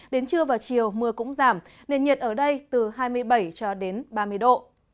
đến trưa và chiều mưa cũng giảm nền nhiệt ở đây từ hai mươi bảy cho đến ba mươi độ